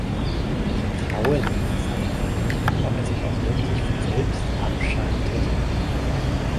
Ich traue dem Wasserkocher nicht, ob er sich auch wirklich von selbst abschaltet.